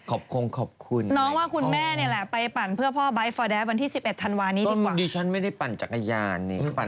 ต้อนรุ่นดิฉันไม่ได้ปั่นจักรยานเนี่ย